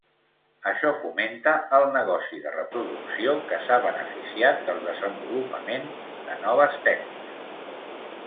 Això fomenta el negoci de reproducció, que s'ha beneficiat del desenvolupament de noves tècniques.